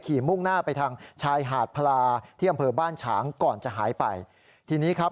มุ่งหน้าไปทางชายหาดพลาที่อำเภอบ้านฉางก่อนจะหายไปทีนี้ครับ